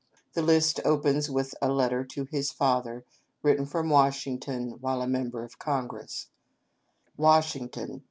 The list opens with a letter to his father written from Wash ington while a member of Congress : "Washington, Dec.